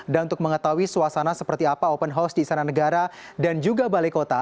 untuk mengetahui suasana seperti apa open house di istana negara dan juga balai kota